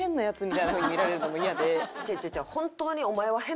違う違う違う。